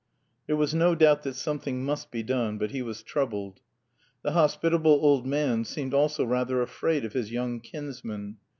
There was no doubt that something must be done, but he was troubled. The hospitable old man seemed also rather afraid of his young kinsman.